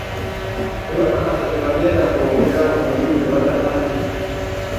Tebeekakasa kye bagenda kwogera mu lulimi lwe batamanyi.